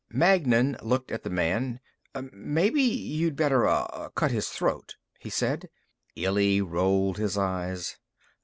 Magnan looked at the man. "Maybe you'd better, uh, cut his throat," he said. Illy rolled his eyes.